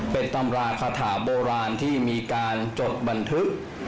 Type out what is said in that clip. เป็นตำราคาถาโบราณที่มีการจดบันทึก